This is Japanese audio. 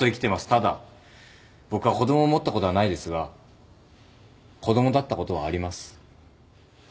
ただ僕は子供を持ったことはないですが子供だったことはあります。